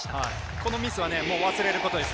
このミスは忘れることです。